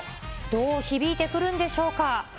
どう響いてくるんでしょうか。